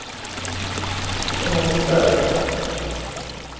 เทอร์โมมิเตอร์